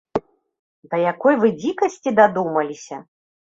Да якой вы дзікасці дадумаліся!